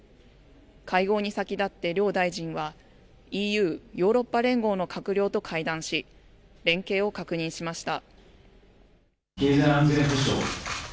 会合に先立って両大臣はＥＵ・ヨーロッパ連合の閣僚と会談し連携を確認しました。